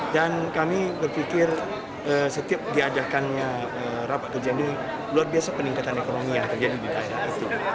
dan kami berpikir setiap diadakan rapat kerja ini luar biasa peningkatan ekonomi yang terjadi di daerah itu